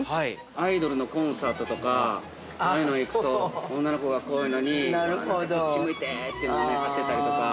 アイドルのコンサートとかああいうの行くと女の子が、こういうのにこっち向いてっていうの貼ってたりとか。